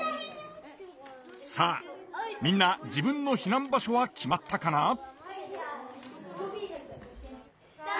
さあみんな自分の避難場所は決まったかな？